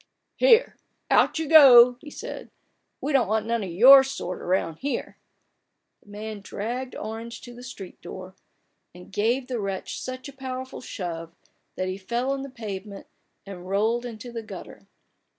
" Here, out you go !" he said. " We don't want none of your sort around here !" The man dragged Orange to the street door, and gave the wretch such a powerful shove, that he fell on the pavement, and rolled into the gutter.